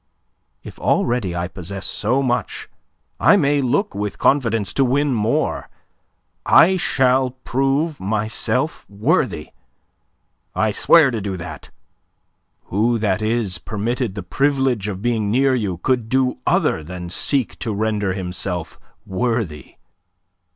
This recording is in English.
If already I possess so much, I may look with confidence to win more. I shall prove myself worthy. I swear to do that. Who that is permitted the privilege of being near you could do other than seek to render himself worthy?"